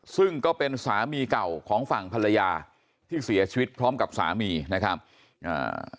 ซึ่งก็เป็นสามีเก่าของฝั่งภรรยาที่เสียชีวิตพร้อมกับสามีนะครับอ่า